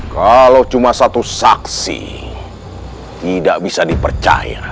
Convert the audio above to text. kalau cuma satu saksi tidak bisa dipercaya